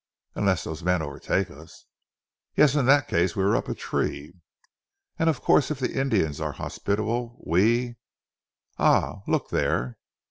"Unless those men overtake us!" "Yes! In that case we are up a tree." "And of course if the Indians are hospitable we Ah! Look there?"